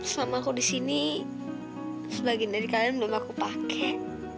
sama aku di sini sebagian dari kalian belum aku pakai